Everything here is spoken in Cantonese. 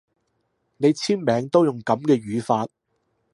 你簽名都用噉嘅語法